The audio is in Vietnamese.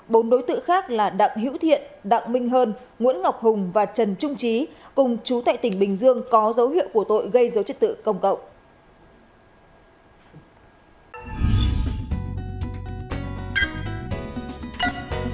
bốn đối tượng khác là đặng hữu thiện đặng minh hơn nguyễn ngọc hùng và trần trung trí cùng chú tại tỉnh bình dương có dấu hiệu của tội gây dấu chất tự công cộng